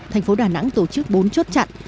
tp đà nẵng tổ chức bốn chốt chặn